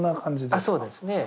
あそうですね。